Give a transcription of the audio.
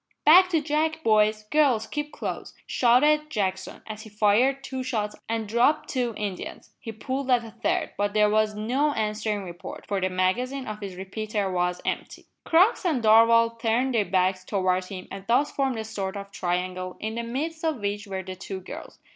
"Back to back, boys! girls, keep close!" shouted Jackson, as he fired two shots and dropped two Indians. He pulled at a third, but there was no answering report, for the magazine of his repeater was empty. Crux and Darvall turned their backs towards him and thus formed a sort of triangle, in the midst of which were the two girls.